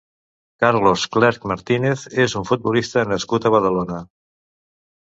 Carlos Clerc Martínez és un futbolista nascut a Badalona.